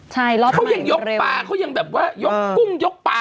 ใช่รอบใหม่เร็วเขายังยกปลาเขยังแบบว่ายกกุ้มยกปลา